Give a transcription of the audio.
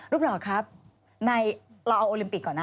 รูปรอกครับเราเอาโอลิมปิกก่อนนะ